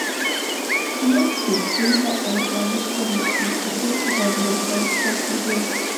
موږ چې څومره الخلیل ته نږدې کېدو غونډۍ ښایسته کېدې.